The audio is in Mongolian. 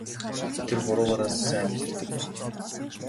Тэр хуруугаараа сайн мэдэрдэг.